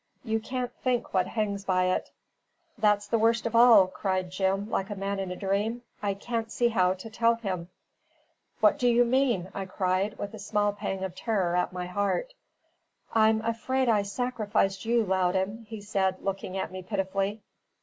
You can't think what hangs by it!" "That's the worst of all," said Jim, like a man in a dream, "I can't see how to tell him!" "What do you mean?" I cried, a small pang of terror at my heart. "I'm afraid I sacrificed you, Loudon," he said, looking at me pitifully.